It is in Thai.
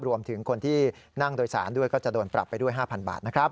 รวมถึงคนที่นั่งโดยสารด้วยก็จะโดนปรับไปด้วย๕๐๐บาทนะครับ